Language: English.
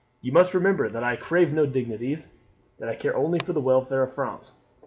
"You must remember that I crave no dignities, that I care only for the welfare of France."